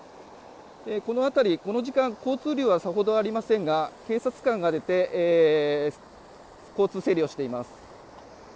この辺りこの時間交通量はさほどありませんが警察官が出て交通整理をしています。